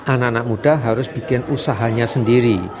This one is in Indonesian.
anak anak muda harus bikin usahanya sendiri